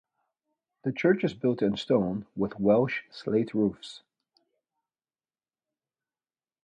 The church is built in stone with Welsh slate roofs.